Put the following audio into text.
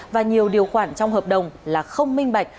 và nhiều điều khoản trong hợp đồng là không minh bạch